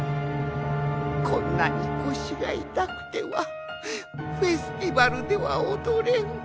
こんなにこしがいたくてはフェスティバルではおどれん。